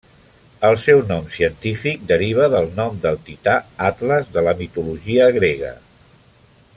El seu nom científic deriva del nom del tità Atles de la mitologia grega.